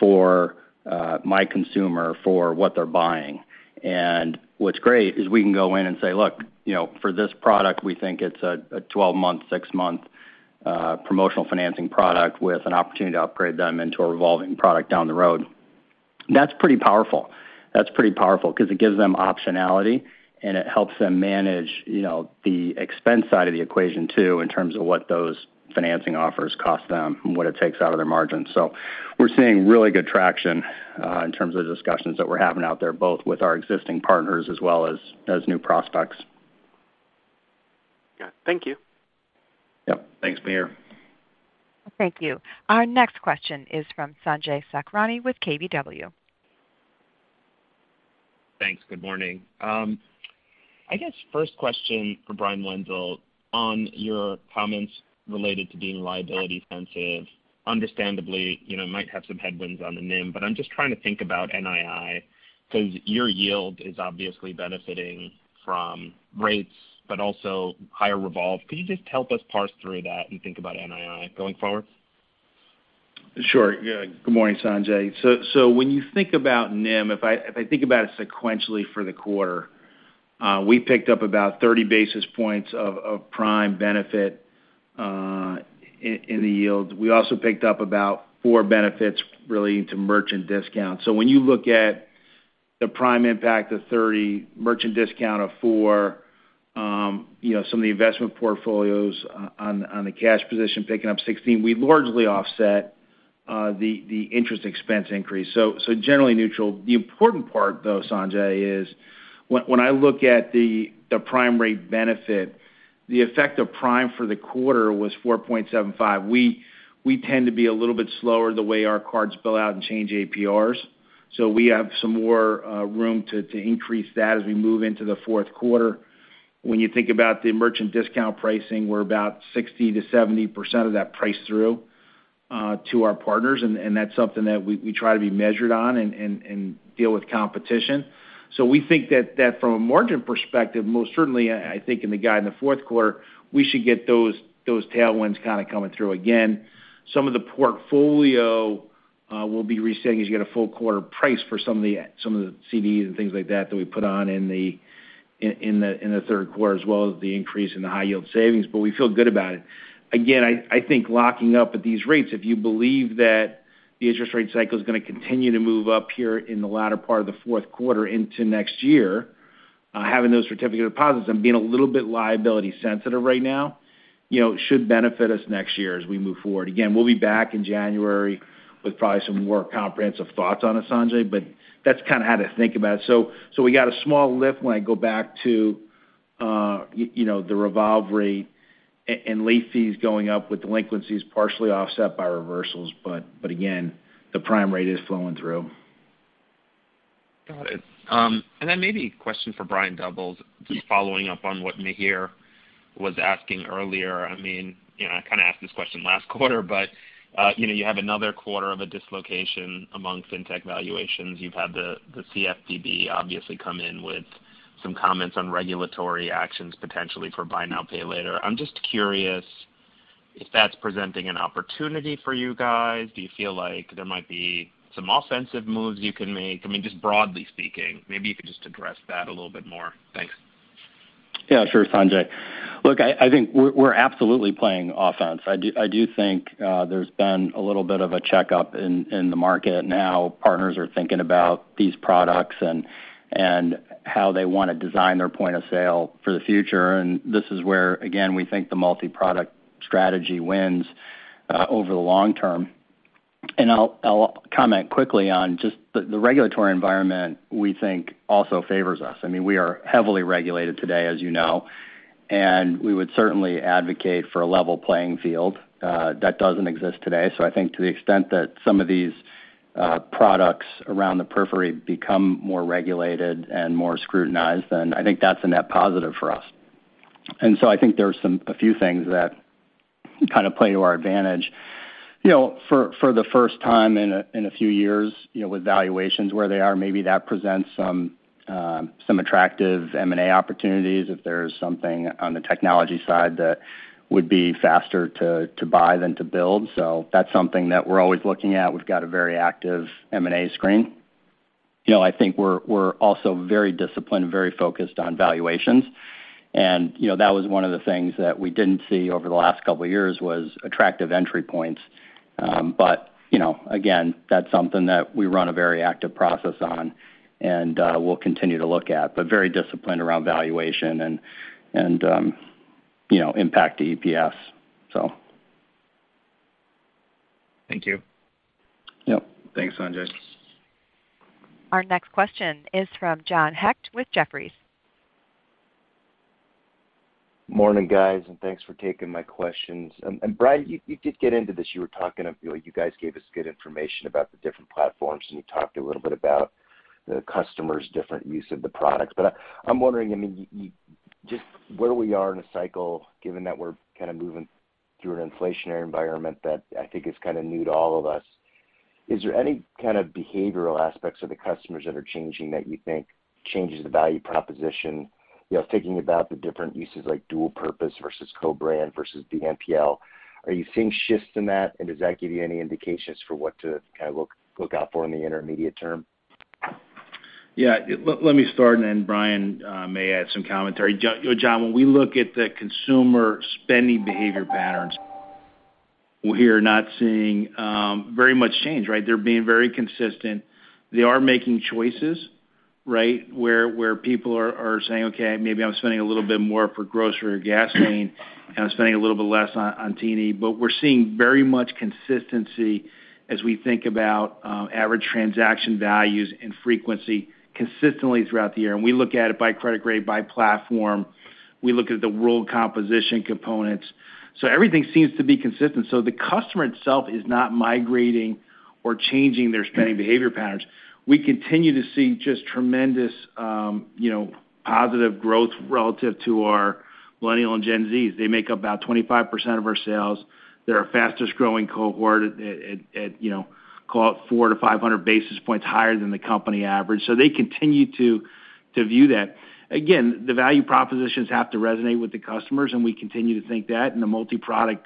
for my consumer for what they're buying?" What's great is we can go in and say, "Look, you know, for this product, we think it's a 12-month, 6-month promotional financing product with an opportunity to upgrade them into a revolving product down the road." That's pretty powerful 'cause it gives them optionality, and it helps them manage, you know, the expense side of the equation too, in terms of what those financing offers cost them and what it takes out of their margins. We're seeing really good traction in terms of discussions that we're having out there, both with our existing partners as well as new prospects. Yeah. Thank you. Yep. Thanks, Mihir. Thank you. Our next question is from Sanjay Sakhrani with KBW. Thanks. Good morning. I guess first question for Brian Wenzel on your comments related to being liability sensitive, understandably, you know, might have some headwinds on the NIM, but I'm just trying to think about NII because your yield is obviously benefiting from rates but also higher revolve. Could you just help us parse through that and think about NII going forward? Sure. Yeah. Good morning, Sanjay. When you think about NIM, if I think about it sequentially for the quarter, we picked up about 30 basis points of prime benefit in the yields. We also picked up about four benefits relating to merchant discounts. When you look at the prime impact of 30, merchant discount of fou8r, you know, some of the investment portfolios on the cash position picking up 16, we largely offset the interest expense increase. Generally neutral. The important part, though, Sanjay, is when I look at the prime rate benefit, the effect of prime for the quarter was 4.75. We tend to be a little bit slower the way our cards bill out and change APRs, so we have some more room to increase that as we move into the fourth quarter. When you think about the merchant discount pricing, we're about 60%-70% of that price through to our partners, and that's something that we try to be measured on and deal with competition. We think that from a margin perspective, most certainly, I think in the guide in the fourth quarter, we should get those tailwinds kind of coming through again. Some of the portfolio, we'll be resetting as you get a full quarter price for some of the CDs and things like that we put on in the third quarter, as well as the increase in the high yield savings, but we feel good about it. Again, I think locking up at these rates, if you believe that the interest rate cycle is gonna continue to move up here in the latter part of the fourth quarter into next year, having those certificates of deposit and being a little bit liability sensitive right now, you know, should benefit us next year as we move forward. Again, we'll be back in January with probably some more comprehensive thoughts on it, Sanjay, but that's kind of how to think about it. We got a small lift when I go back to, you know, the revolve rate and late fees going up with delinquencies partially offset by reversals. Again, the prime rate is flowing through. Got it. Maybe a question for Brian Doubles. Just following up on what Mihir was asking earlier. I mean, you know, I kind of asked this question last quarter, but, you know, you have another quarter of a dislocation among fintech valuations. You've had the CFPB obviously come in with some comments on regulatory actions potentially for buy now, pay later. I'm just curious if that's presenting an opportunity for you guys. Do you feel like there might be some offensive moves you can make? I mean, just broadly speaking, maybe you could just address that a little bit more. Thanks. Yeah, sure, Sanjay. Look, I think we're absolutely playing offense. I do think there's been a little bit of a checkup in the market. Now, partners are thinking about these products and how they want to design their point of sale for the future. This is where, again, we think the multi-product strategy wins over the long term. I'll comment quickly on just the regulatory environment we think also favors us. I mean, we are heavily regulated today, as you know, and we would certainly advocate for a level playing field that doesn't exist today. I think to the extent that some of these products around the periphery become more regulated and more scrutinized, then I think that's a net positive for us. I think there's a few things that kind of play to our advantage. You know, for the first time in a few years, you know, with valuations where they are, maybe that presents some attractive M&A opportunities if there's something on the technology side that would be faster to buy than to build. That's something that we're always looking at. We've got a very active M&A screen. You know, I think we're also very disciplined, very focused on valuations. You know, that was one of the things that we didn't see over the last couple of years was attractive entry points. But you know, again, that's something that we run a very active process on and we'll continue to look at, but very disciplined around valuation and you know, impact to EPS. Thank you. Yep. Thanks, Sanjay. Our next question is from John Hecht with Jefferies. Morning, guys, and thanks for taking my questions. Brian, you did get into this. You were talking, you know, you guys gave us good information about the different platforms, and you talked a little bit about the customers' different use of the products. But I'm wondering, I mean, just where we are in the cycle, given that we're kind of moving through an inflationary environment that I think is kind of new to all of us, is there any kind of behavioral aspects of the customers that are changing that you think changes the value proposition? You know, thinking about the different uses like dual card versus co-branded versus BNPL. Are you seeing shifts in that? Does that give you any indications for what to kind of look out for in the intermediate term? Yeah. Let me start, and then Brian may add some commentary. John, when we look at the consumer spending behavior patterns, we are not seeing very much change, right? They're being very consistent. They are making choices, right? Where people are saying, "Okay, maybe I'm spending a little bit more for grocery or gasoline, and I'm spending a little bit less on T&E." We're seeing very much consistency as we think about average transaction values and frequency consistently throughout the year. We look at it by credit grade, by platform. We look at the overall composition components. Everything seems to be consistent. The customer itself is not migrating or changing their spending behavior patterns. We continue to see just tremendous, you know, positive growth relative to our Millennial and Gen Zs. They make up about 25% of our sales. They're our fastest-growing cohort at you know, call it 400-500 basis points higher than the company average. They continue to view that. Again, the value propositions have to resonate with the customers, and we continue to think that in the multiproduct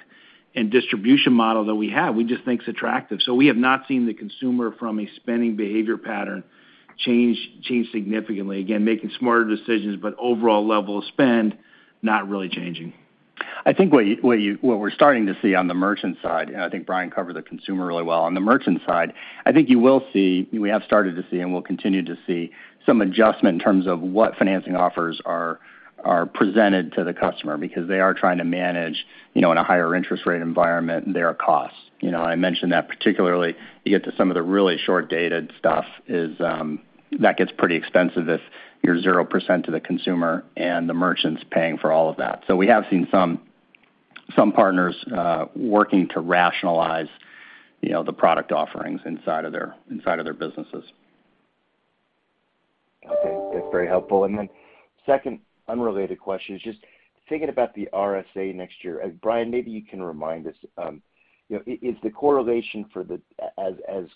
and distribution model that we have, we just think it's attractive. We have not seen the consumer from a spending behavior pattern change significantly. Again, making smarter decisions, but overall level of spend, not really changing. I think what we're starting to see on the merchant side, and I think Brian covered the consumer really well. On the merchant side, I think you will see, we have started to see and will continue to see some adjustment in terms of what financing offers are presented to the customer because they are trying to manage, you know, in a higher interest rate environment, their costs. You know, I mentioned that particularly, you get to some of the really short-dated stuff is. That gets pretty expensive if you're 0% to the consumer and the merchant's paying for all of that. We have seen some partners working to rationalize, you know, the product offerings inside of their businesses. Okay. That's very helpful. Second unrelated question is just thinking about the RSA next year. Brian, maybe you can remind us, as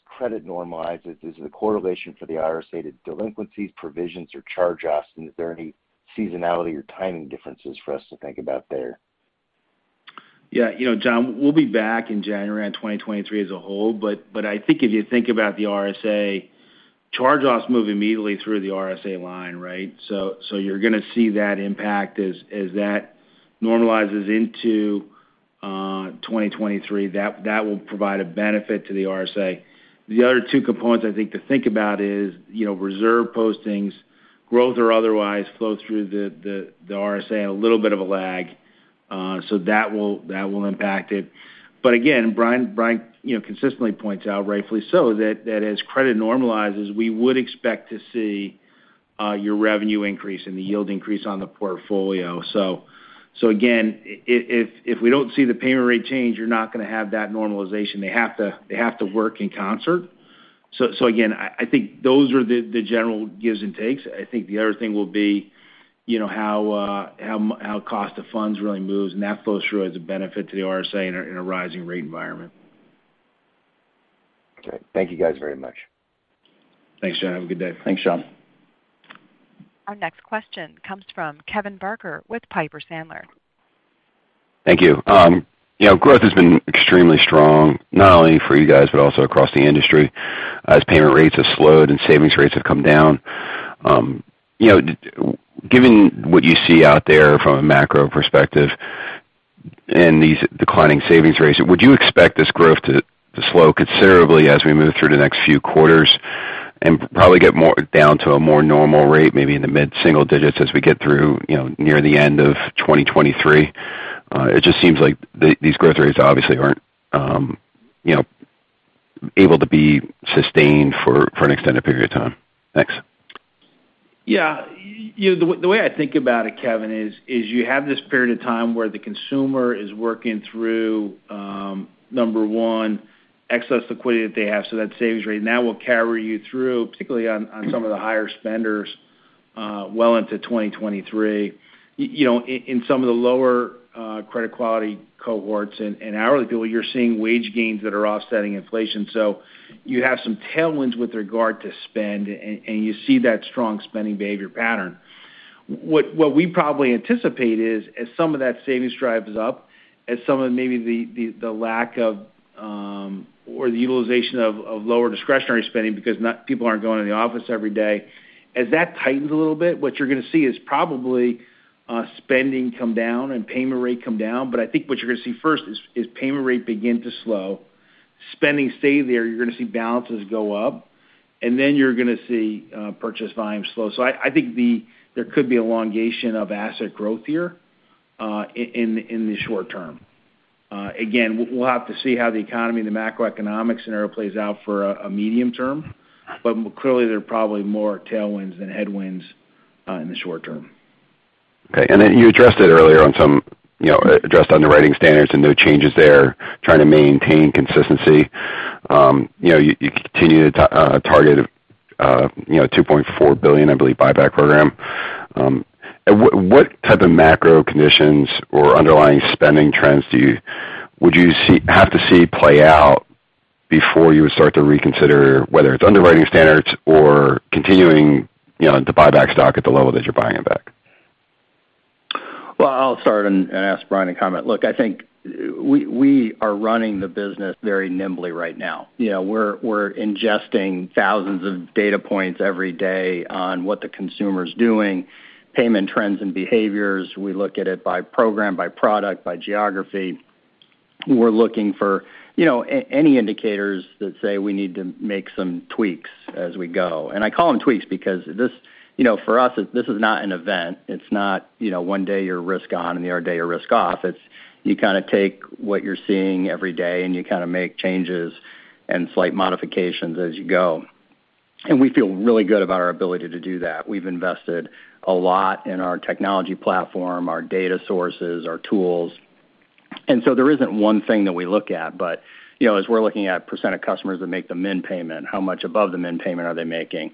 credit normalizes, is the correlation for the RSA to delinquencies, provisions or charge-offs, and is there any seasonality or timing differences for us to think about there? Yeah, you know, John, we'll be back in January on 2023 as a whole. I think if you think about the RSA, charge-offs move immediately through the RSA line, right? You're gonna see that impact as that normalizes into 2023. That will provide a benefit to the RSA. The other two components, I think, to think about is, you know, reserve postings, growth or otherwise flow through the RSA in a little bit of a lag. That will impact it. Again, Brian, you know, consistently points out, rightfully so, that as credit normalizes, we would expect to see your revenue increase and the yield increase on the portfolio. Again, if we don't see the payment rate change, you're not gonna have that normalization. They have to work in concert. Again, I think those are the general gives and takes. I think the other thing will be, you know, how cost of funds really moves, and that flows through as a benefit to the RSA in a rising rate environment. Okay. Thank you guys very much. Thanks, John. Have a good day. Thanks, John. Our next question comes from Kevin Barker with Piper Sandler. Thank you. You know, growth has been extremely strong, not only for you guys, but also across the industry as payment rates have slowed and savings rates have come down. You know, given what you see out there from a macro perspective and these declining savings rates, would you expect this growth to slow considerably as we move through the next few quarters and probably get more down to a more normal rate, maybe in the mid-single digits as we get through, you know, near the end of 2023? It just seems like these growth rates obviously aren't, you know, able to be sustained for an extended period of time. Thanks. Yeah. You know, the way I think about it, Kevin, is you have this period of time where the consumer is working through number one, excess liquidity that they have. That savings rate, and that will carry you through, particularly on some of the higher spenders, well into 2023. You know, in some of the lower credit quality cohorts and hourly people, you're seeing wage gains that are offsetting inflation. You have some tailwinds with regard to spend, and you see that strong spending behavior pattern. What we probably anticipate is as some of that savings drives up, as some of maybe the lack of or the utilization of lower discretionary spending because people aren't going in the office every day. As that tightens a little bit, what you're gonna see is probably spending come down and payment rate come down. I think what you're gonna see first is payment rate begin to slow, spending stay there. You're gonna see balances go up, and then you're gonna see purchase volume slow. I think there could be elongation of asset growth here in the short term. Again, we'll have to see how the economy and the macroeconomic scenario plays out for a medium term. Clearly, there are probably more tailwinds than headwinds in the short term. Okay. Then you addressed it earlier on some, you know, addressed underwriting standards and no changes there, trying to maintain consistency. You know, you continue to target, you know, $2.4 billion, I believe, buyback program. What type of macro conditions or underlying spending trends would you have to see play out before you would start to reconsider whether it's underwriting standards or continuing, you know, to buy back stock at the level that you're buying it back? Well, I'll start and ask Brian to comment. Look, I think we are running the business very nimbly right now. You know, we're ingesting thousands of data points every day on what the consumer's doing, payment trends and behaviors. We look at it by program, by product, by geography. We're looking for, you know, any indicators that say we need to make some tweaks as we go. I call them tweaks because this, you know, for us, this is not an event. It's not, you know, one day you're risk on and the other day you're risk off. It's you kind of take what you're seeing every day and you kind of make changes and slight modifications as you go. We feel really good about our ability to do that. We've invested a lot in our technology platform, our data sources, our tools. There isn't one thing that we look at, but, you know, as we're looking at percent of customers that make the min payment, how much above the min payment are they making?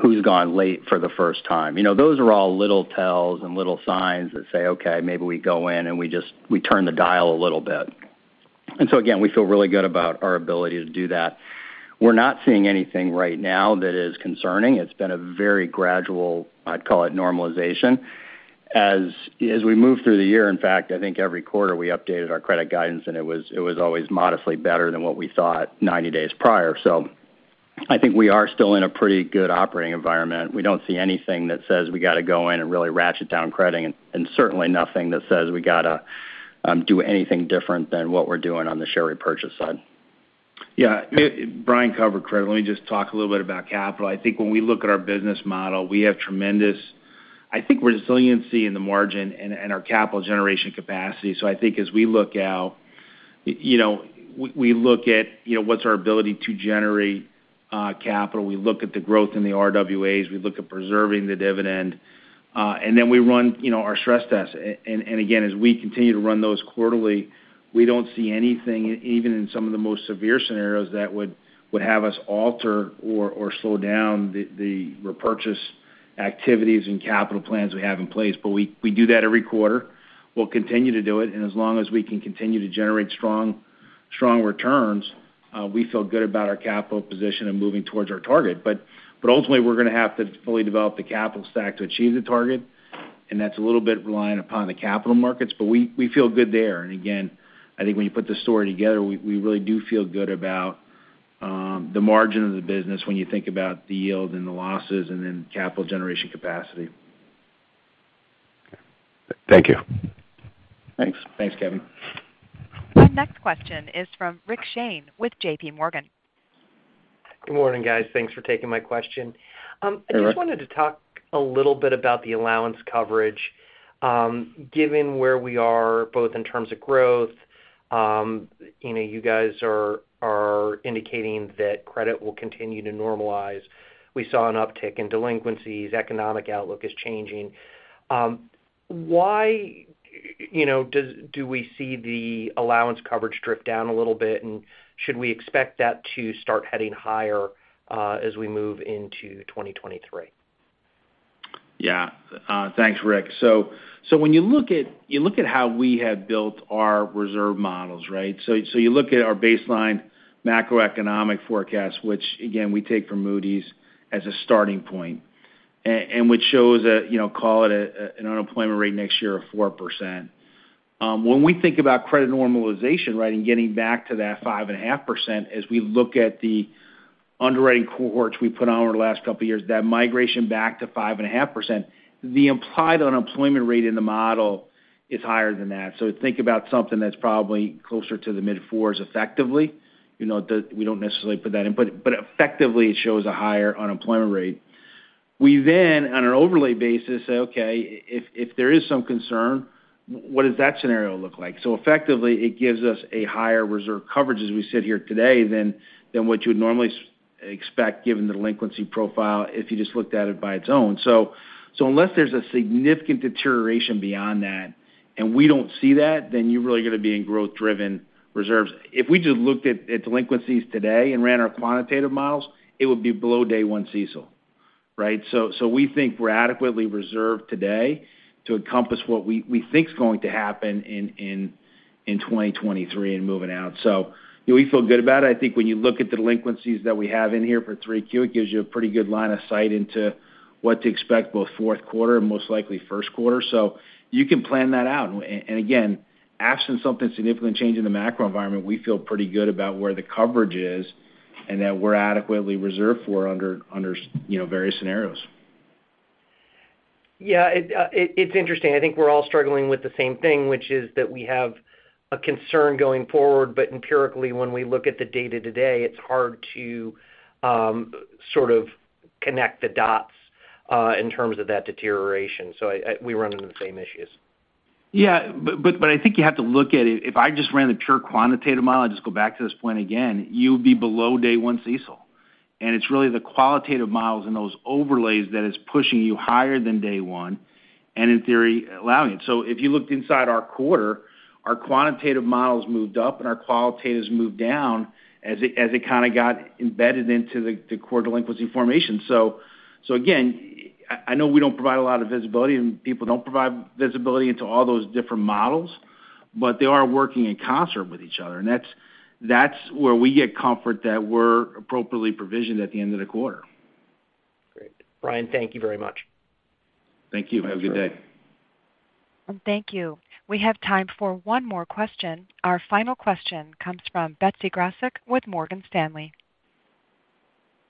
Who's gone late for the first time? You know, those are all little tells and little signs that say, okay, maybe we go in and we just turn the dial a little bit. Again, we feel really good about our ability to do that. We're not seeing anything right now that is concerning. It's been a very gradual, I'd call it, normalization. As we move through the year, in fact, I think every quarter we updated our credit guidance, and it was always modestly better than what we thought 90 days prior. I think we are still in a pretty good operating environment. We don't see anything that says we got to go in and really ratchet down credit, and certainly nothing that says we got to do anything different than what we're doing on the share repurchase side. Yeah. Brian covered credit. Let me just talk a little bit about capital. I think when we look at our business model, we have tremendous resiliency in the margin and our capital generation capacity. I think as we look out, you know, we look at, you know, what's our ability to generate capital. We look at the growth in the RWAs. We look at preserving the dividend and then we run, you know, our stress tests. Again, as we continue to run those quarterly, we don't see anything, even in some of the most severe scenarios that would have us alter or slow down the repurchase activities and capital plans we have in place. We do that every quarter. We'll continue to do it. As long as we can continue to generate strong returns, we feel good about our capital position and moving towards our target. Ultimately, we're going to have to fully develop the capital stack to achieve the target, and that's a little bit reliant upon the capital markets. We feel good there. Again, I think when you put the story together, we really do feel good about the margin of the business when you think about the yield and the losses and then capital generation capacity. Thank you. Thanks. Thanks, Kevin. The next question is from Rick Shane with JPMorgan. Good morning, guys. Thanks for taking my question. All right. I just wanted to talk a little bit about the allowance coverage, given where we are both in terms of growth. You know, you guys are indicating that credit will continue to normalize. We saw an uptick in delinquencies. Economic outlook is changing. Why, you know, do we see the allowance coverage drift down a little bit? Should we expect that to start heading higher, as we move into 2023? Yeah. Thanks, Rick. When you look at how we have built our reserve models, right? You look at our baseline macroeconomic forecast, which again, we take from Moody's as a starting point, and which shows, you know, call it an unemployment rate next year of 4%. When we think about credit normalization, right, and getting back to that 5.5%, as we look at the underwriting cohorts we put on over the last couple of years, that migration back to 5.5%, the implied unemployment rate in the model is higher than that. Think about something that's probably closer to the mid-fours effectively. You know, we don't necessarily put that in. Effectively, it shows a higher unemployment rate. We then, on an overlay basis, say, okay, if there is some concern, what does that scenario look like? Effectively, it gives us a higher reserve coverage as we sit here today than what you would normally expect given the delinquency profile if you just looked at it by its own. Unless there's a significant deterioration beyond that, and we don't see that, then you're really going to be in growth-driven reserves. If we just looked at delinquencies today and ran our quantitative models, it would be below day one CECL, right? We think we're adequately reserved today to encompass what we think is going to happen in 2023 and moving out. Do we feel good about it? I think when you look at delinquencies that we have in here for 3Q, it gives you a pretty good line of sight into what to expect both fourth quarter and most likely first quarter. You can plan that out. Again, absent some significant change in the macro environment, we feel pretty good about where the coverage is and that we're adequately reserved under, you know, various scenarios. Yeah, it's interesting. I think we're all struggling with the same thing, which is that we have a concern going forward, but empirically, when we look at the data today, it's hard to sort of connect the dots in terms of that deterioration. We run into the same issues. Yeah. I think you have to look at it. If I just ran the pure quantitative model, I just go back to this point again, you would be below day one CECL. It's really the qualitative models and those overlays that is pushing you higher than day one, and in theory, allowing it. If you looked inside our quarter, our quantitative models moved up and our qualitatives moved down as it kind of got embedded into the core delinquency formation. Again, I know we don't provide a lot of visibility and people don't provide visibility into all those different models, but they are working in concert with each other. That's where we get comfort that we're appropriately provisioned at the end of the quarter. Great. Brian, thank you very much. Thank you. Have a good day. Thank you. We have time for one more question. Our final question comes from Betsy Graseck with Morgan Stanley.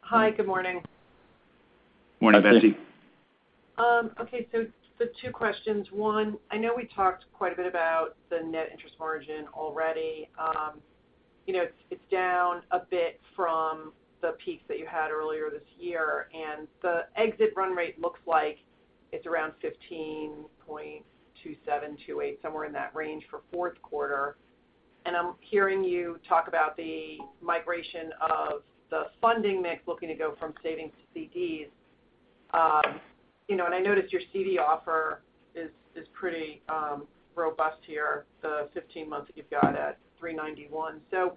Hi, good morning. Morning, Betsy. Okay, two questions. One, I know we talked quite a bit about the net interest margin already. You know, it's down a bit from the peak that you had earlier this year, and the exit run rate looks like it's around 15.27%-28%, somewhere in that range for fourth quarter. I'm hearing you talk about the migration of the funding mix looking to go from savings to CDs. You know, I noticed your CD offer is pretty robust here, the 15 months that you've got at 3.91%.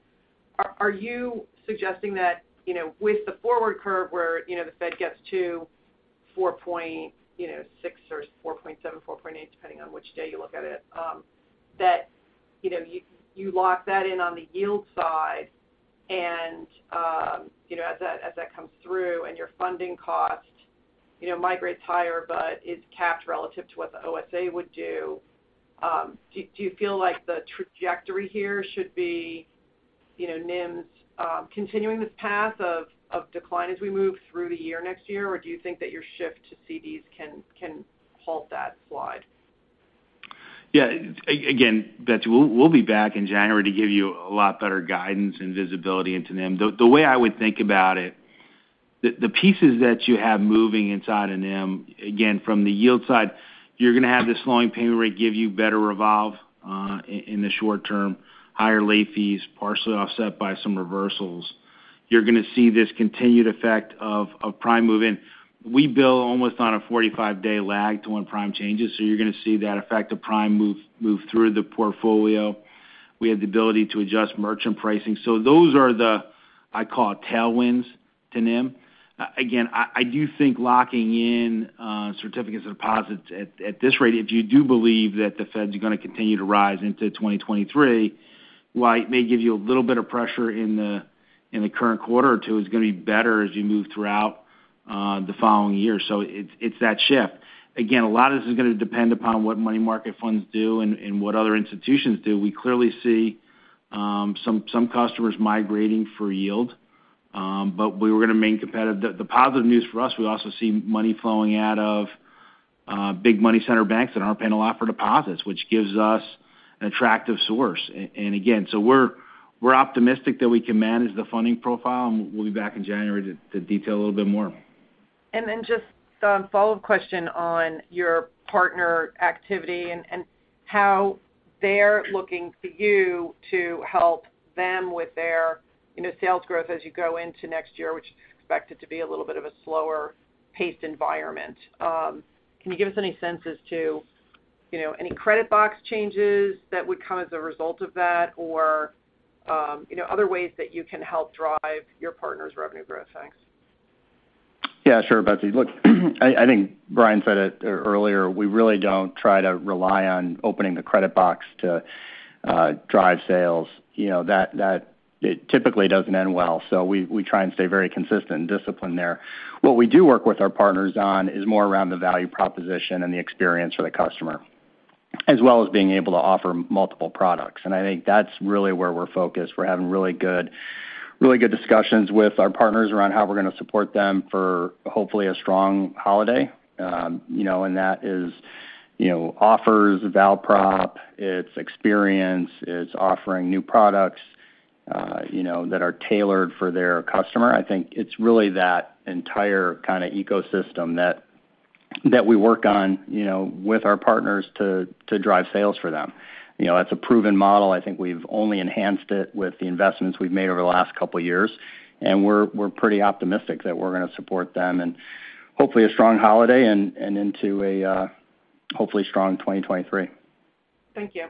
Are you suggesting that, you know, with the forward curve where, you know, the Fed gets to 4.6% or 4.7%, 4.8%, depending on which day you look at it, that, you know, you lock that in on the yield side and, you know, as that comes through and your funding cost, you know, migrates higher but is capped relative to what the OSA would do you feel like the trajectory here should be, you know, NIMs continuing this path of decline as we move through the year next year, or do you think that your shift to CDs can halt that slide? Yeah. Again, Betsy, we'll be back in January to give you a lot better guidance and visibility into NIM. The way I would think about it, the pieces that you have moving inside a NIM, again, from the yield side, you're gonna have the slowing payment rate give you better revolve in the short term, higher late fees, partially offset by some reversals. You're gonna see this continued effect of prime moving. We bill almost on a 45-day lag to when prime changes, so you're gonna see that effect of prime move through the portfolio. We have the ability to adjust merchant pricing. So those are the, I call it, tailwinds to NIM. I do think locking in certificates of deposit at this rate, if you do believe that the Fed is gonna continue to rise into 2023, while it may give you a little bit of pressure in the current quarter or two, it's gonna be better as you move throughout the following year. It's that shift. Again, a lot of this is gonna depend upon what money market funds do and what other institutions do. We clearly see some customers migrating for yield, but we're gonna remain competitive. The positive news for us, we also see money flowing out of big money center banks that aren't able to offer deposits, which gives us an attractive source. We're optimistic that we can manage the funding profile, and we'll be back in January to detail a little bit more. Then just a follow-up question on your partner activity and how they're looking for you to help them with their, you know, sales growth as you go into next year, which is expected to be a little bit of a slower paced environment. Can you give us any sense as to, you know, any credit box changes that would come as a result of that or, you know, other ways that you can help drive your partners' revenue growth? Thanks. Yeah, sure, Betsy. Look, I think Brian said it earlier, we really don't try to rely on opening the credit box to drive sales. You know, that it typically doesn't end well. We try and stay very consistent and disciplined there. What we do work with our partners on is more around the value proposition and the experience for the customer, as well as being able to offer multiple products. I think that's really where we're focused. We're having really good discussions with our partners around how we're gonna support them for hopefully a strong holiday. You know, that is, you know, offers, val prop, it's experience, it's offering new products, you know, that are tailored for their customer. I think it's really that entire kinda ecosystem that we work on, you know, with our partners to drive sales for them. You know, that's a proven model. I think we've only enhanced it with the investments we've made over the last couple years, and we're pretty optimistic that we're gonna support them, and hopefully a strong holiday and into a hopefully strong 2023. Thank you.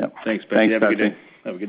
Yep. Thanks, Betsy. Have a good day.